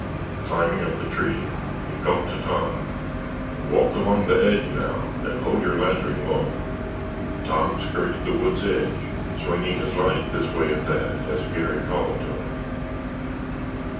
Climbing up the tree, he called to Tom: "Walk along the edge now and hold your lantern low." Tom skirted the wood's edge, swinging his light this way and that as Garry called to him.